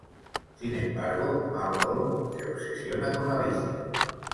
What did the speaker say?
Sin embargo, Malcolm se obsesiona con Alicia.